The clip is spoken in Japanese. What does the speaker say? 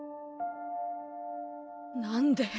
何で。